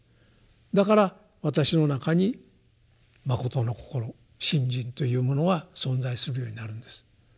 だから私の中にまことの心信心というものは存在するようになるんです。